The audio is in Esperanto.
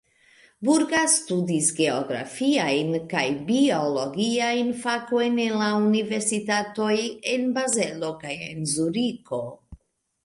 Burga studis geografiajn kaj biologiajn fakojn en la universitatoj en Bazelo kaj en Zuriko.